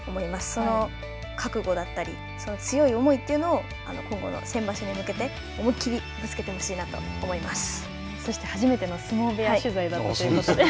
その覚悟だったり、強い思いというのを今後の場所に向けて思い切りそして初めての相撲部屋取材ということで。